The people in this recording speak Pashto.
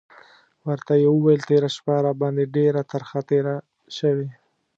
ورته یې وویل: تېره شپه راباندې ډېره ترخه تېره شوې.